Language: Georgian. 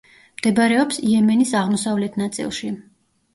მდებარეობს იემენის აღმოსავლეთ ნაწილში.